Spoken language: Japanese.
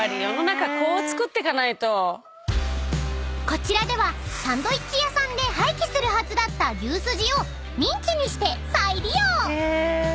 ［こちらではサンドイッチ屋さんで廃棄するはずだった牛すじをミンチにして再利用］